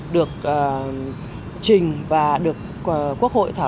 được trình và được quốc hội tham gia